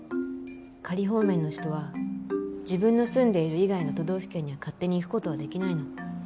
仮放免の人は自分の住んでいる以外の都道府県には勝手に行くことはできないの。